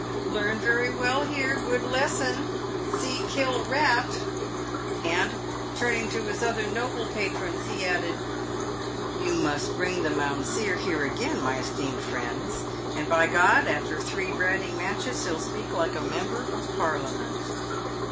Learn very well here, good lesson — see kill rat." And, turning to his other noble patrons, he added :" You must bring the mounseer here again, my esteemed friends, and by ——, after three ratting matches, he'll speak like a Member of Parliament."